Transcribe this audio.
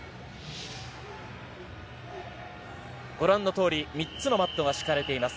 ご覧のとおり３つのマットが敷かれています。